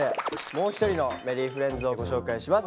もう一人のＭｅｒｒｙｆｒｉｅｎｄｓをご紹介します。